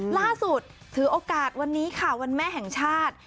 ล่าสุดถือโอกาสวันนี้ค่ะวันแม่แห่งชาติ